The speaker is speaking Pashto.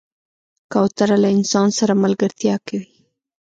کوتره له انسان سره ملګرتیا کوي.